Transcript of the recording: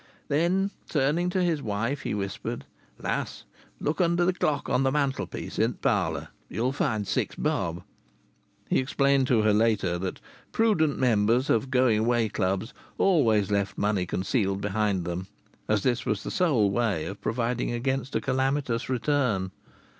Then turning to his wife, he whispered: "Lass, look under th' clock on th' mantelpiece in th' parlour. Ye'll find six bob." He explained to her later that prudent members of Going Away Clubs always left money concealed behind them, as this was the sole way of providing against a calamitous return.